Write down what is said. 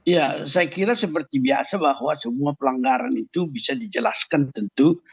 ya saya kira seperti biasa bahwa semua pelanggaran itu bisa dijelaskan tentu